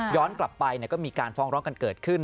กลับไปก็มีการฟ้องร้องกันเกิดขึ้น